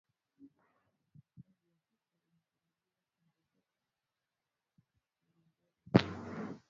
Idadi ya vifo inatarajiwa kuongezeka, aliongeza